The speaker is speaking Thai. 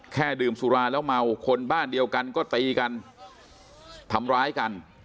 ดื่มสุราแล้วเมาคนบ้านเดียวกันก็ตีกันทำร้ายกัน